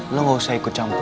lo gak usah ikut campur